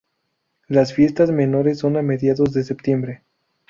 Las fiestas menores son a mediados de septiembre.